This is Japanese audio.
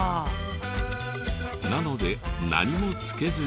なので何もつけずに。